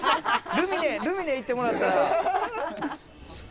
ルミネルミネ行ってもらったら。